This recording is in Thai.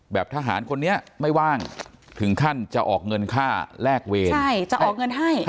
แบบทหารคนนี้ไม่ว่างถึงขั้นจะออกเงินค่าแลกเวร